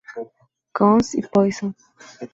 Guns y Poison.